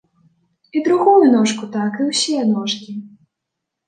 І другую ножку так, і ўсе ножкі.